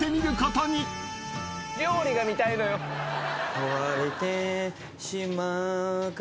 「壊れてしまうか」